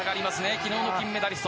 昨日の金メダリスト。